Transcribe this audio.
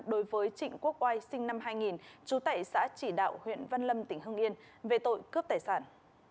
đối với trịnh quốc oai sinh năm hai nghìn trú tại xã chỉ đạo huyện văn lâm tỉnh hưng yên về tội cướp tài sản